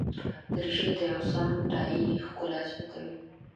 دریشي ته یو سم ټای ښکلا زیاتوي.